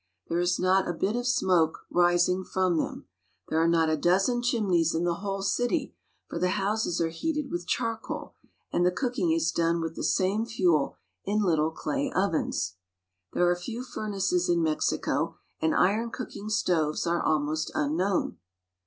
There is not a bit of smoke rising from them. There are not a dozen chimneys in the whole city, for the houses are heated with charcoal, and the cooking is done with the same fuel in little clay ovens. There are few furnaces in Mexico, and iron cooking stoves are almost unknown.